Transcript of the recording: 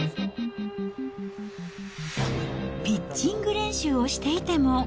ピッチング練習をしていても。